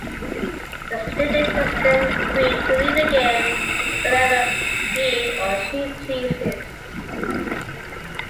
The student is then free to leave the game whenever he or she pleases.